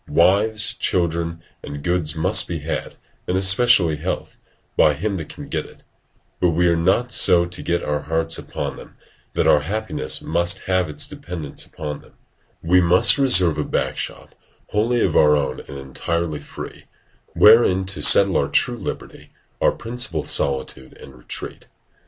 Wives, children, and goods must be had, and especially health, by him that can get it; but we are not so to set our hearts upon them that our happiness must have its dependence upon them; we must reserve a backshop, wholly our own and entirely free, wherein to settle our true liberty, our principal solitude and retreat.